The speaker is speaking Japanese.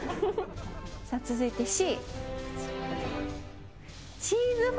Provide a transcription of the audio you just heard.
続いてＣ。